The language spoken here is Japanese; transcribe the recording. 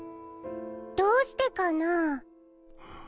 どうしてかなぁ。